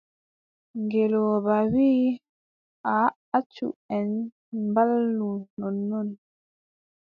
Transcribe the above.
Ngeelooba wii: aaʼa accu en mbaalu nonnon.